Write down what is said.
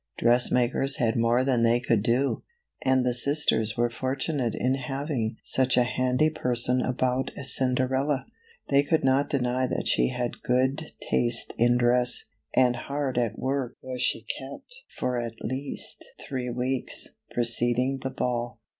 Dress makers had more than they could do, and the sisters were fortunate in having such a handy person about as Cinderella. They could not deny that she had good taste in dress, and hard at work was she kept lor at least 23 CINDERELLA , OR THE LITTLE GLASS SLIPPER. three weeks preceding the ball.